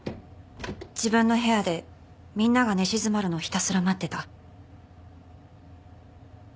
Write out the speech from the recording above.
自分の部屋でみんなが寝静まるのをひたすら待ってた。